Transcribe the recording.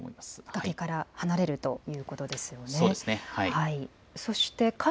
崖から離れるということですね。